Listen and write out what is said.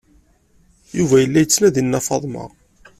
Yuba yella yettnadi Nna Faḍma.